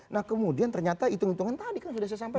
nah kemudian ternyata hitung hitungan tadi kan sudah saya sampaikan